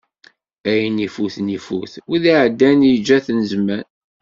Ayen ifuten ifut, wid iɛeddan yeǧǧa-ten zzman.